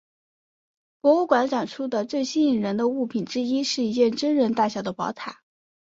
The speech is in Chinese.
博物馆展出的最吸引人的物品之一是一件真人大小的宝塔。